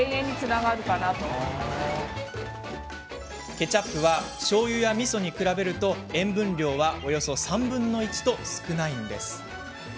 ケチャップはしょうゆや、みそに比べると塩分量は、およそ３分の１と少ないんです。